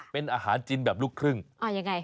เป็นอาหารจีนแบบลูกครึ่งอ๋อยังไง